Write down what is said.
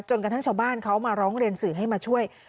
กระทั่งชาวบ้านเขามาร้องเรียนสื่อให้มาช่วย